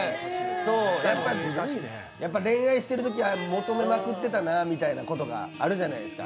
やっぱり恋愛してるときは求めまくってたなみたいなことがあるじゃないですか。